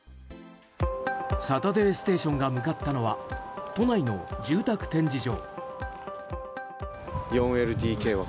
「サタデーステーション」が向かったのは都内の住宅展示場。